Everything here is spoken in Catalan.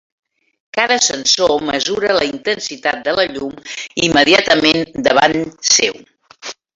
Cada sensor mesura la intensitat de la llum immediatament davant seu.